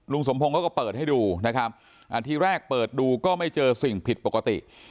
สมพงศ์เขาก็เปิดให้ดูนะครับอ่าทีแรกเปิดดูก็ไม่เจอสิ่งผิดปกติ